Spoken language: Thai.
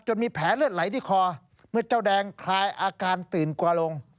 มีแผลเลือดไหลที่คอเมื่อเจ้าแดงคลายอาการตื่นกลัวลง